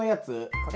これ？